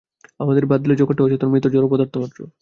আমাদের বাদ দিলে জগৎটা অচেতন, মৃত জড়পদার্থ মাত্র।